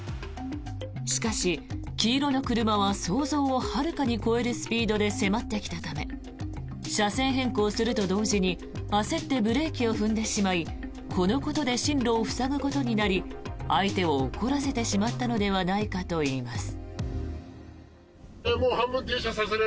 しかし、黄色の車は想像をはるかに超えるスピードで迫ってきたため車線変更すると同時に焦ってブレーキを踏んでしまいこのことで進路を塞ぐことになり相手を怒らせてしまったのではないかといいます。